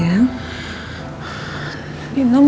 yang mana belum dateng